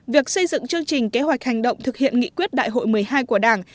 việc xây dựng chương trình kế hoạch hành động thực hiện nghị quyết đại hội một mươi hai của đảng